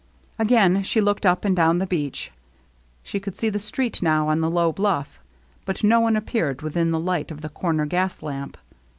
Again she looked up and down the beach. She could see the street now on the low bluff; but no one appeared within the light of the corner gas lamp.